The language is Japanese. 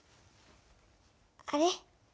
あれ？